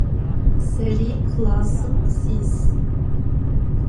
Seri klassım sis.